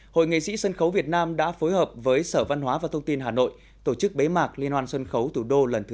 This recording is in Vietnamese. hội nghệ sĩ sân khấu việt nam đã phối hợp với sở văn hóa và thông tin hà nội tổ chức bế mạc liên hoan sân khấu thủ đô lần thứ chín